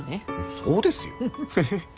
そうですよ。